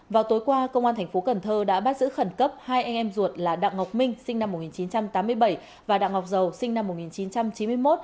vào tối qua công an thành phố cần thơ đã bắt giữ khẩn cấp hai anh em ruột là đặng ngọc minh sinh năm một nghìn chín trăm tám mươi bảy và đặng ngọc dầu sinh năm một nghìn chín trăm chín mươi một